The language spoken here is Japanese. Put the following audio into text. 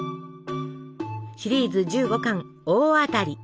シリーズ１５巻「おおあたり」。